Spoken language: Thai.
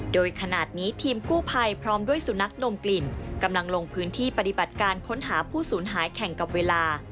โดยขนาดนี้ทีมกู้ภัยพร้อมด้วยสุนัขดมกลิ่นกำลังลงพื้นที่ปฏิบัติการค้นหาผู้สูญหายแข่งกับเวลา